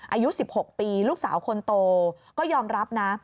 อายุ๑๖ปีลูกสาวคนโตก็ยอมรับนะ